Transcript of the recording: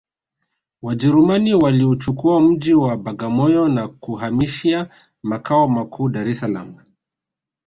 wajerumani waliuchukua mji wa bagamoyo na kuhamishia makao makuu dar es salaam